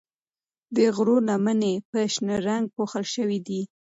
د غرو لمنې په شنه رنګ پوښل شوې دي.